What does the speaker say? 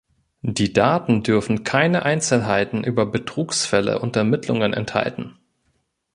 Die Daten dürfen keine Einzelheiten über Betrugsfälle und Ermittlungen enthalten.